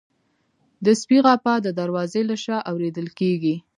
د سپي غپا د دروازې له شا اورېدل کېږي.